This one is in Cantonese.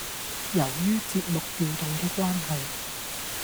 由於節目調動嘅關係